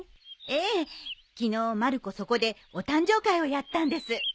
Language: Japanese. ええ昨日まる子そこでお誕生会をやったんです。